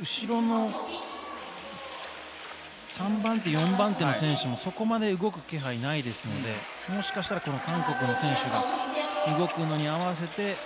後ろの３番手、４番手の選手もそこまで動く気配がないですのでもしかしたら韓国の選手が動くのに合わせて。